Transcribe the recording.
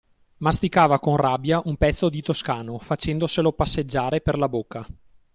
Masticava con rabbia un pezzo di “toscano,” facendoselo passeggiare per la bocca.